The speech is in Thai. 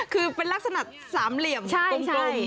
คือเป็นลักษณะสามเหลี่ยมกลม